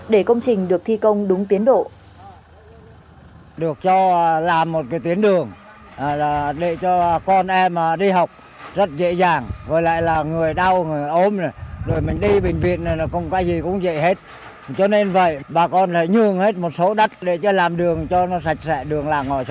để công trình được thi công đúng tiến độ